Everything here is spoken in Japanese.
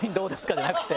じゃなくて。